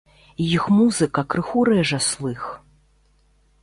Іх музыка крыху рэжа слых.